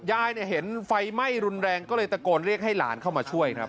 ยายเห็นไฟไหม้รุนแรงก็เลยตะโกนเรียกให้หลานเข้ามาช่วยครับ